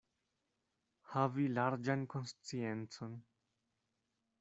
Havi larĝan konsciencon.